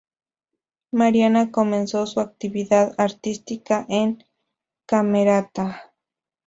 Mariana comenzó su actividad artística en "Camerata".